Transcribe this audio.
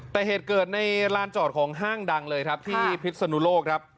แต่เหตุเกิดในลานจอดของห้างดังเลยครับที่พิษนุโลกครับ